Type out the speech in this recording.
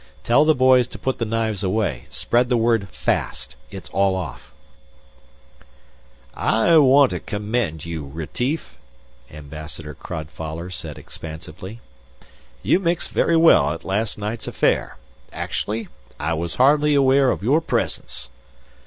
"Tell the boys to put the knives away. Spread the word fast. It's all off." "I want to commend you, Retief," Ambassador Crodfoller said expansively. "You mixed very well at last night's affair. Actually, I was hardly aware of your presence."